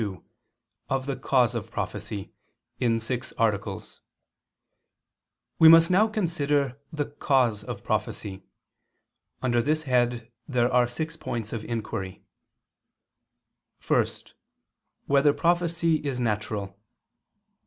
_______________________ QUESTION 172 OF THE CAUSE OF PROPHECY (In Six Articles) We must now consider the cause of prophecy. Under this head there are six points of inquiry: (1) Whether prophecy is natural?